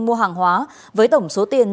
mua hàng hóa với tổng số tiền